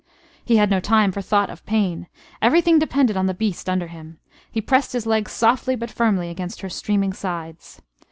He had no time for thought of pain. Everything depended on the beast under him. He pressed his legs softly but firmly against her streaming sides.